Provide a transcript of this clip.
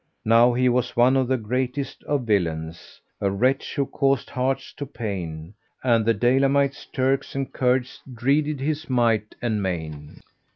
Now he was one of the greatest of villains, a wretch who caused hearts to pain; and the DayIamites, Turks and Kurds dreaded his might and main.